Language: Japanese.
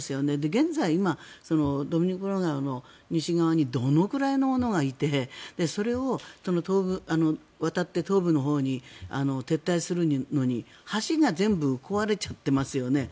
現在、ドニプロ川の西側にどのぐらいのものがいてそれを、渡って東部のほうに撤退するのに橋が全部壊れちゃってますよね。